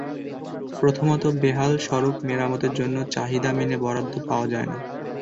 প্রথমত, বেহাল সড়ক মেরামতের জন্য চাহিদা মেনে বরাদ্দ পাওয়া যায় না।